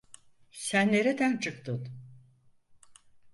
Sen nereden çıktın?